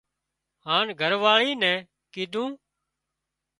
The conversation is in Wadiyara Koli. هانَ گھر واۯي نين ڪيڌون